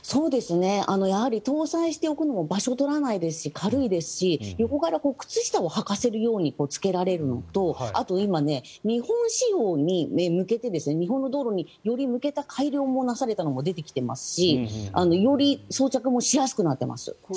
搭載しておくのも場所を取らないですし軽いですし横から靴下をはかせるようにつけられるのとあと、今日本仕様に向けて日本の道路により向けた改良されたものも出てきていますしより装着もしやすくなっています。